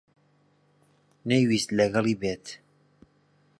نەیویست لەگەڵی بێت.